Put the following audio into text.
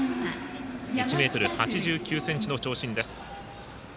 １ｍ８９ｃｍの長身です。